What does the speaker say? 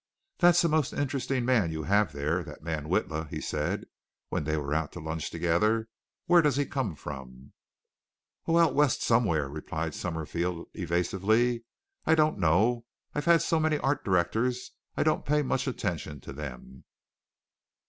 "That's a most interesting man you have there, that man Witla," he said, when they were out to lunch together. "Where does he come from?" "Oh, the West somewhere!" replied Summerfield evasively. "I don't know. I've had so many art directors I don't pay much attention to them."